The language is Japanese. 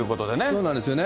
そうなんですよね。